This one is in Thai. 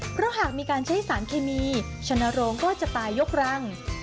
เพราะหากมีการใช้สารเคมีชนโรงก็จะตายยกรัง